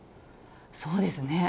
そうですね。